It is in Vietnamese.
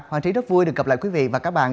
hoàng trí rất vui được gặp lại quý vị và các bạn